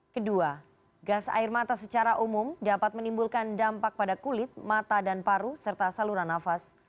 kedua gas air mata secara umum dapat menimbulkan dampak pada kulit mata dan paru serta saluran nafas